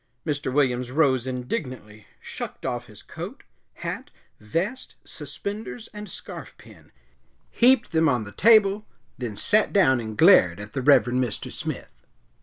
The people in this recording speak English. Mr. Williams rose indignantly, shucked off his coat, hat, vest, suspenders and scarfpin, heaped them on the table, and then sat down and glared at the Reverend Mr. Smith.